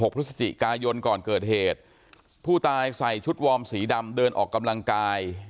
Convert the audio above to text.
พฤศจิกายนก่อนเกิดเหตุผู้ตายใส่ชุดวอร์มสีดำเดินออกกำลังกาย